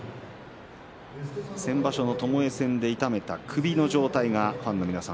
先場所ともえ戦で痛めた首の状態がファンの皆さん